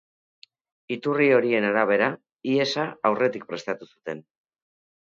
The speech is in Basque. Iturri horien arabera, ihesa aurretik prestatu zuten.